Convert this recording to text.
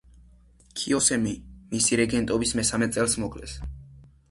ქიოსემი მისი რეგენტობის მესამე წელს მოკლეს.